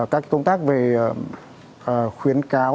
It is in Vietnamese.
các cái công tác về khuyến cáo